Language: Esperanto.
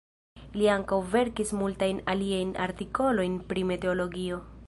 Li ankaŭ verkis multajn aliajn artikolojn pri meteologio.